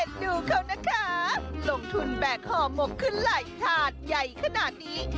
ดูเขานะคะลงทุนแบกห่อหมกขึ้นหลายถาดใหญ่ขนาดนี้